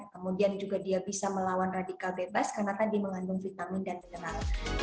kemudian juga dia bisa melawan radikal bebas karena tadi mengandung vitamin dan mineral